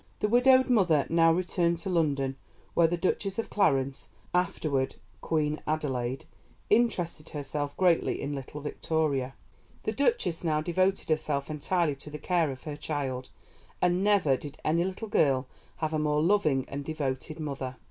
The widowed mother now returned to London, where the Duchess of Clarence, afterward Queen Adelaide, interested herself greatly in little Victoria. The Duchess now devoted herself entirely to the care of her child, and never did any little girl have a more loving and devoted mother.